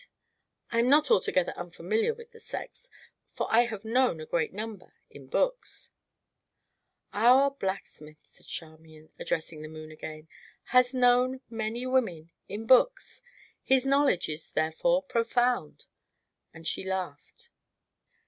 "I am not altogether unfamiliar with the sex for I have known a great number in books." "Our blacksmith," said Charmian, addressing the moon again, "has known many women in books! His knowledge is, therefore, profound!" and she laughed.